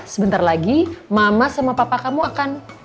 sebentar lagi mama sama papa kamu akan